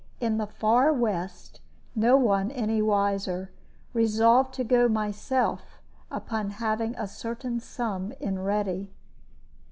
In the far West no one any wiser. Resolved to go myself, upon having a certain sum in ready.